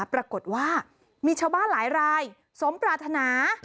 ปรากฏว่ามีชาวบ้านหลายรายสมปรารถนา